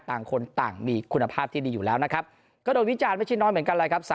ต่างคนต่างมีคุณภาพที่ดีอยู่แล้วนะครับก็โดนวิจารณ์ไม่ใช่น้อยเหมือนกันเลยครับ